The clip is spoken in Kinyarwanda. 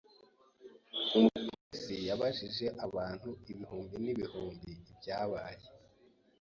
Umupolisi yabajije abantu ibihumbi n’ibihumbi ibyabaye.